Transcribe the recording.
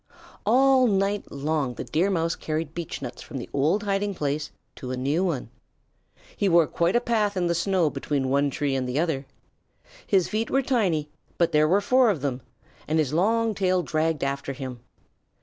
All night long the Deer Mouse carried beechnuts from the old hiding place to a new one. He wore quite a path in the snow between one tree and the other. His feet were tiny, but there were four of them, and his long tail dragged after him.